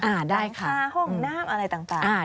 อ่าได้ค่ะต่างค่าห้องน้ำอะไรต่าง